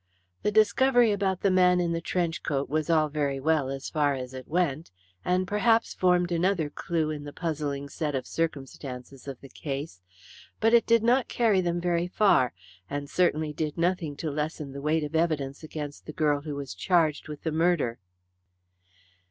The discovery about the man in the trench coat was all very well as far as it went, and perhaps formed another clue in the puzzling set of circumstances of the case, but it did not carry them very far, and certainly did nothing to lessen the weight of evidence against the girl who was charged with the murder.